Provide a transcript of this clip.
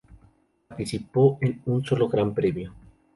Participó en solo un Gran Premio.